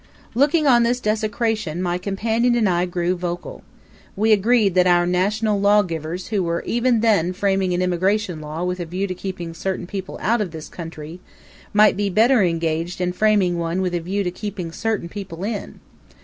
Looking on this desecration my companion and I grew vocal. We agreed that our national lawgivers who were even then framing an immigration law with a view to keeping certain people out of this country, might better be engaged in framing one with a view to keeping certain people in.